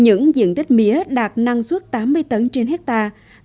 những diện tích mía đạt năng suất tám mươi tấn trên hectare